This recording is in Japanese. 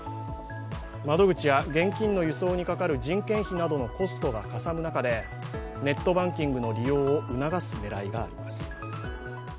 窓口や現金の輸送にかかる人件費などのコストがかさむ中でネットバンキングの利用を促す狙いがあります。